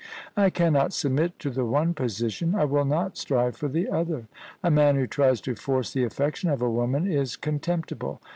I cannot submit to the one position ; I will not strive for the other. A man who tries to force the affection of a woman is contemptible.